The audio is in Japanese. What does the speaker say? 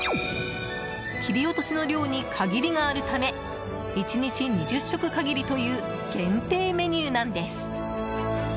切り落としの量に限りがあるため１日２０食限りという限定メニューなんです。